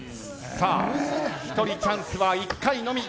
１人チャンスは１回のみ。